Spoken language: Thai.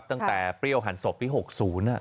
ตั้งแต่เปรี้ยวหันศพที่๖๐น่ะ